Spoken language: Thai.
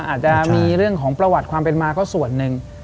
อาจจะมีเรื่องของประวัติความเป็นมาก็ส่วนหนึ่ง